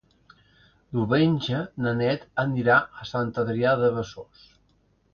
Diumenge na Beth anirà a Sant Adrià de Besòs.